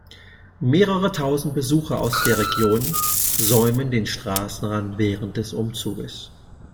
Mehrere tausend Besucher aus der Region säumen den Straßenrand während des Umzuges.